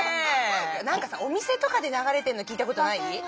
なんかさお店とかでながれてるのきいたことない？